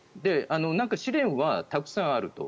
試練はたくさんあると。